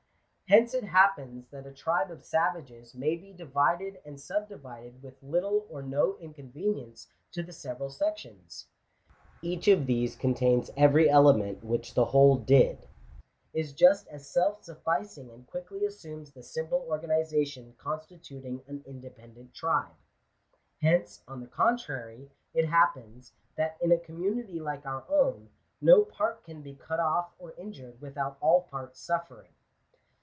Hence it happens that a tribe of savages may be divided and subdivided with little or no inconvenience to the several sections. Each of these contains every element which the whole did— is just as self sufficing, and quickly assumes the simple organization constituting an independent tribe. Hence, on the contrary, it happens, that in a community like our own no part can be cut off or in jured without all parts suffering.